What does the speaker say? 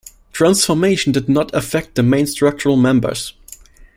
Transformation did not affect the main structural members.